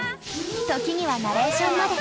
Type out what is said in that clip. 時にはナレーションまで。